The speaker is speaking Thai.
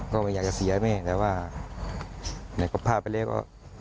ก็ไม่อยากจะเสียแม่แทบว่าไหนก็พ่อนแล้วก็